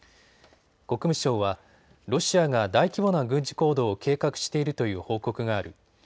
国務省はロシアが大規模な軍事行動を計画しているという報告がある。